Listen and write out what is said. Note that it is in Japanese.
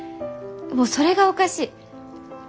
それがおかしい。